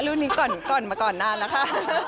รุ่นนี้ก่อนมาก่อนนานแล้วค่ะ